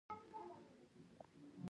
چیني غوښتنې په نړیوال بازار اغیز لري.